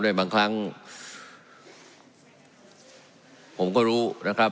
บางครั้งผมก็รู้นะครับ